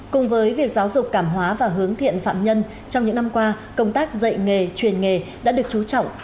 cùng với việc giáo dục cảm hóa và hướng thiện phạm nhân trong những năm qua công tác dạy nghề truyền nghề đã được chú trọng